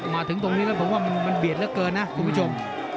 มาถึงตรงนี้แล้วผมว่ามันเบียดเหลือเกินนะคุณผู้ชม